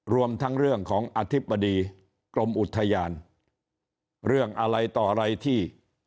รวมทั้งเรื่องของอธิบดีกรมอุทยานเรื่องอะไรต่ออะไรที่